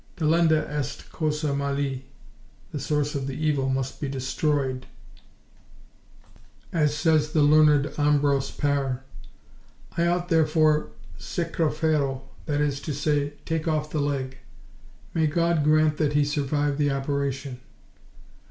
'Delenda est causa mali,' the source of evil must be destroyed, as says the learned Ambrose Pare; I ought therefore 'secareferro,'—that is to say, take off the leg. May God grant that he survive the operation!"